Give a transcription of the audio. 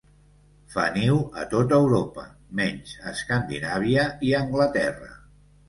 Fa niu a tot Europa, menys a Escandinàvia i Anglaterra.